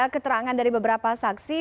keterangan dari beberapa saksi